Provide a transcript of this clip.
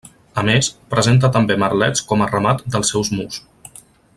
A més, presenta també merlets com a remat dels seus murs.